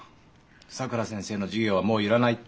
さくら先生の授業はもういらないって。